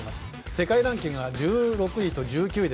世界ランキングは１６位と１９位。